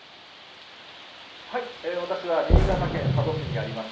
私は新潟県佐渡市にあります